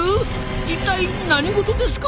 一体何事ですか！？